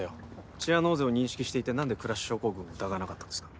チアノーゼを認識していて何でクラッシュ症候群を疑わなかったんですか？